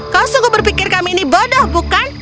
kau sungguh berpikir kami ini bodoh bukan